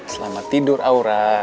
selamat tidur aura